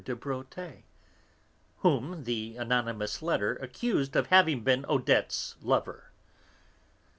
de Bréauté, whom the anonymous letter accused of having been Odette's lover.